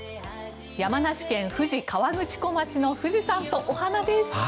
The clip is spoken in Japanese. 山梨県富士河口湖町の富士山とお花です。